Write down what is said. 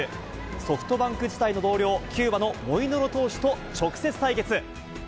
ソフトバンク時代の同僚、キューバのモイネロ投手と直接対決。